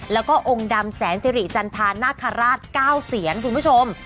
แล้วก็องค์ดำแสนสิริจันทานาคาราช๙เสียนคุณผู้ชม